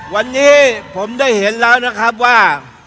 วันนี้ผมได้เห็นแล้วนะครับว่า